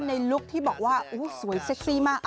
ลุคที่บอกว่าสวยเซ็กซี่มาก